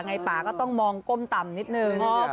ป่าก็ต้องมองก้มต่ำนิดนึง